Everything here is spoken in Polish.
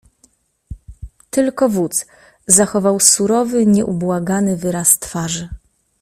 "Tylko wódz zachował surowy, nieubłagany wyraz twarzy."